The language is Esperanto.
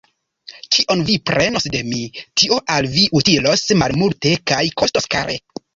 Kion vi prenos de mi, tio al vi utilos malmulte kaj kostos kare.